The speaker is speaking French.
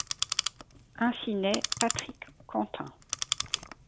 Ainsi naît Patrick Quentin.